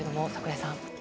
櫻井さん。